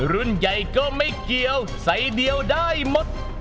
รุ่นใหญ่ก็ไม่เกี่ยวใส่เดียวได้หมด